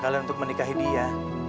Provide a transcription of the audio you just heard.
kalian untuk menikahi dia